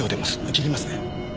切りますね。